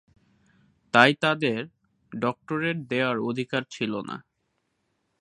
তাই তাদের ডক্টরেট দেওয়ার অধিকার ছিলনা।